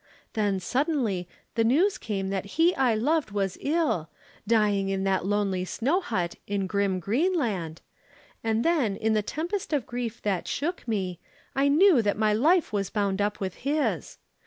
Then suddenly the news came that he I loved was ill, dying in that lonely snow hut in grim Greenland, and then in the tempest of grief that shook me I knew that my life was bound up with his.